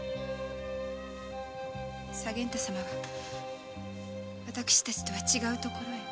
左源太様は私たちとは違う所へ。